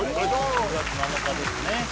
６月７日ですね。